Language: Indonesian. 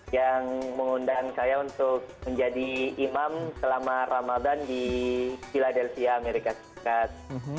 yang mengundang saya untuk menjadi imam selama ramadan di philadelphia amerika serikat